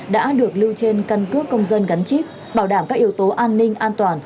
đã được lưu trên căn cước công dân gắn chip bảo đảm các yếu tố an ninh an toàn